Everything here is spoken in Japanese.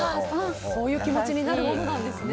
そういう気持ちになるものなんですね。